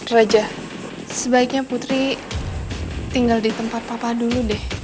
raja sebaiknya putri tinggal di tempat papa dulu deh